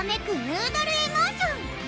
ヌードル・エモーション！